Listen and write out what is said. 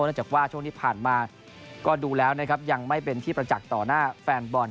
จากว่าช่วงที่ผ่านมาก็ดูแล้วนะครับยังไม่เป็นที่ประจักษ์ต่อหน้าแฟนบอล